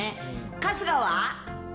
春日は？